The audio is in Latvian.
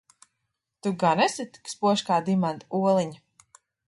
Tu gan esi tik spožs kā dimanta oliņa?